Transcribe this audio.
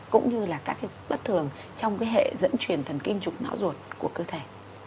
cũng như là các cái bất thường trong hệ dẫn truyền thần kinh trục não rột của cơ thể